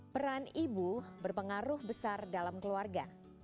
peran ibu berpengaruh besar dalam keluarga